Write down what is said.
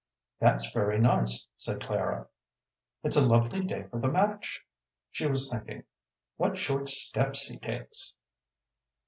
"That's very nice," said Clara. "It's a lovely day for the match." She was thinking, "What short steps he takes!"